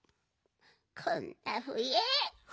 こんなふえ。